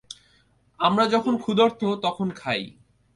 আমরা যখন ক্ষুধার্ত তখন খাই।